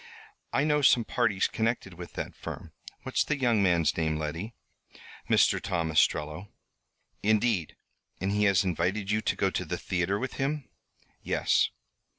"I know some parties connected with that firm. What's the young man's name, Letty?" "Mr. Tom Ostrello." "Indeed! And he has invited you to go to the theatre with him?" "Yes.